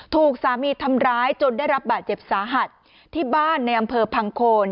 ถูกสามีทำร้ายจนได้รับบาดเจ็บสาหัสที่บ้านในอำเภอพังโคน